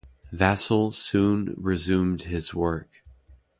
Vassall soon resumed his work.